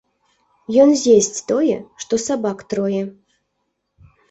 Ён з'есць тое, што сабак трое.